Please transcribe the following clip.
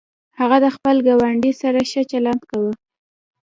هغه د خپل ګاونډي سره ښه چلند کاوه.